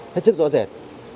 hết chức rõ rệt